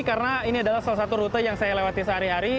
karena ini adalah salah satu rute yang saya lewati sehari hari